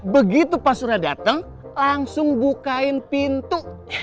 begitu pas suraya dateng langsung bukain pintu